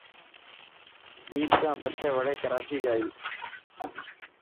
عيد کان پڇي وڙي ڪراچي جائيس.